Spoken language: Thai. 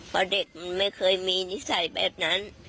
เพราะเด็กมันไม่เคยมีนิสัยแบบนั้น